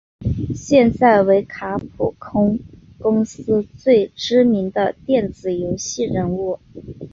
现在为卡普空公司最知名的电子游戏人物。